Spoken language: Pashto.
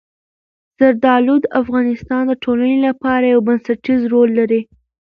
زردالو د افغانستان د ټولنې لپاره یو بنسټيز رول لري.